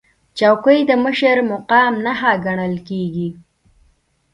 چوکۍ د مشر مقام نښه ګڼل کېږي.